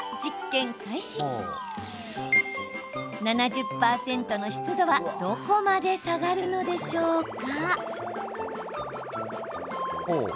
７０％の湿度はどこまで下がるのでしょうか。